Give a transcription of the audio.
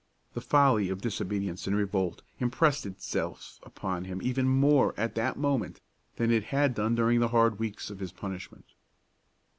The folly of disobedience and revolt impressed itself upon him even more at that moment than it had done during the hard weeks of his punishment.